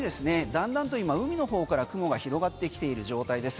だんだんと今海の方から雲が広がってきている状態です。